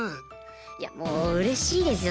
いやもううれしいですよ